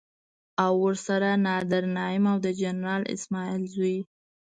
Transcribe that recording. او ورسره نادر نعيم او د جنرال اسماعيل زوی.